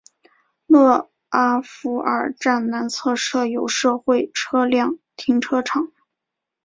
勒阿弗尔站南侧设有社会车辆停车场。